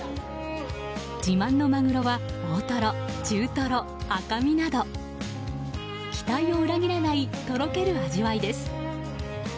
自慢のマグロは大トロ、中トロ、赤身など期待を裏切らないとろける味わいです。